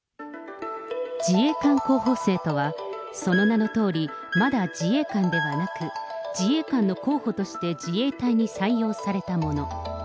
自衛官候補生とは、その名のとおり、まだ自衛官ではなく、自衛官の候補として自衛隊に採用されたもの。